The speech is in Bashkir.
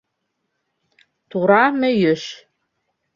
Тура мөйөш